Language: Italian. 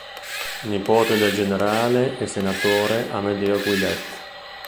Nipote del generale e senatore Amedeo Guillet.